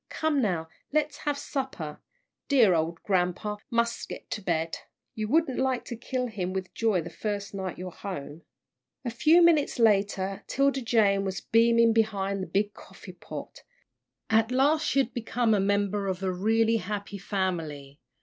Come now, let's have supper. Dear ole grampa mus' get to bed. You wouldn't like to kill him with joy the first night you're home." A few minutes later 'Tilda Jane was beaming behind the big coffee pot. At last she had become a member of a really happy family.